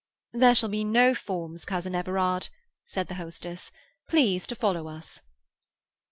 "There shall be no forms, cousin Everard," said the hostess. "Please to follow us."